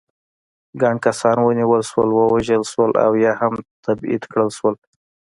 ګڼ کسان ونیول شول، ووژل شول او یا هم تبعید کړل شول.